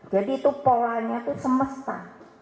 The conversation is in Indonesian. itu polanya itu semesta